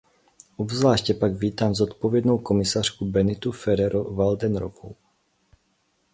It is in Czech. Obzvláště pak vítám zodpovědnou komisařku Benitu Ferrero-Waldnerovou.